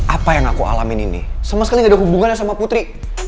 apa yang aku alamin ini sama sekali gak ada hubungannya sama putri